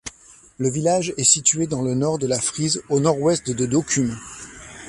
Le village est situé dans le nord de la Frise, au nord-ouest de Dokkum.